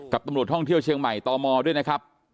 ตำรวจท่องเที่ยวเชียงใหม่ตมด้วยนะครับ